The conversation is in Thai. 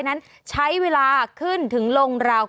นั้นใช้เวลาขึ้นถึงลงราว